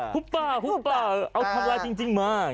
ฮุปป้าฮุปป้าฮุปป้าเอาทำร้ายจริงมาก